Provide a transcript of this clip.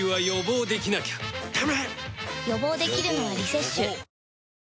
予防できるのは「リセッシュ」予防予防。